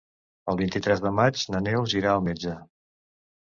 El vint-i-tres de maig na Neus irà al metge.